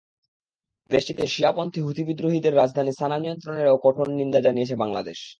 দেশটিতে শিয়াপন্থী হুতি বিদ্রোহীদের রাজধানী সানা নিয়ন্ত্রণেরও কঠোর নিন্দা জানিয়েছে বাংলাদেশ।